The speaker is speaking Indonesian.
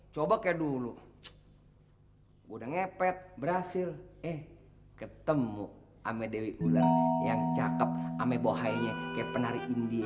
coba kayak dulu gue udah ngepet berhasil eh ketemu ame dewi uler yang cakep ame bohainya kayak penari indie